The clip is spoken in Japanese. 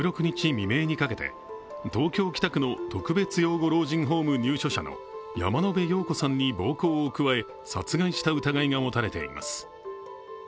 未明にかけて東京・北区の特別養護老人ホーム入所者の山野辺陽子さんに暴行を加え殺害した疑いが持たれています。